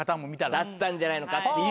だったんじゃないのかっていう。